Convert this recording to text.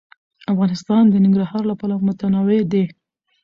افغانستان د ننګرهار له پلوه متنوع دی.